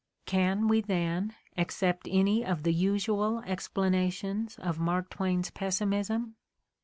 Can we, then, accept any of the usual explanations of Mark Twain 's pessimism